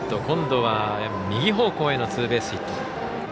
今度は右方向へのツーベースヒット。